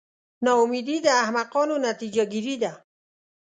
نا امیدي د احمقانو نتیجه ګیري ده.